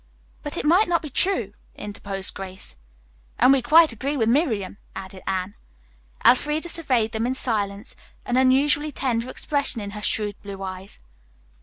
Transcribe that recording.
"But it might not be true," interposed Grace. "And we quite agree with Miriam," added Anne. Elfreda surveyed them in silence, an unusually tender expression in her shrewd blue eyes.